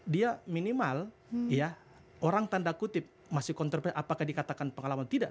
dia minimal ya orang tanda kutip masih kontroversi apakah dikatakan pengalaman tidak